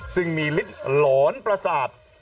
ซึ่งมีฤ้าหลอนปรศาสตร์